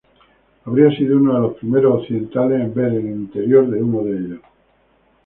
Habría sido de los primeros occidentales en ver el interior de uno de ellos.